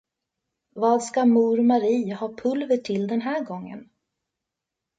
Vad ska mor Marie ha pulver till den här gången?